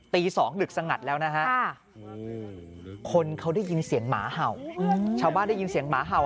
ตี๒ดึกสงัดแล้วนะฮะคนเขาได้ยินเสียงหมาเห่าชาวบ้านได้ยินเสียงหมาเห่า